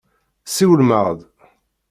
Siwlem-aɣ-d.